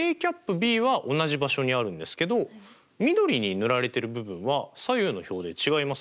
Ｂは同じ場所にあるんですけど緑に塗られてる部分は左右の表で違いますね。